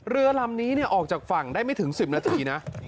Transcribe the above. เรือลำนี้ออกจากฝั่งได้ไม่ถึง๑๐นาทีนะ